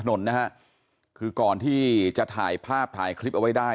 ถนนนะฮะคือก่อนที่จะถ่ายภาพถ่ายคลิปเอาไว้ได้